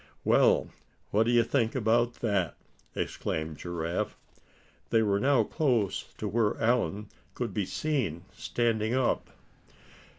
"Well! what d'ye think about that?" exclaimed Giraffe. They were now close to where Allan could be seen standing up.